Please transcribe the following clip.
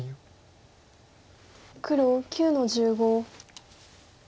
黒９の十五。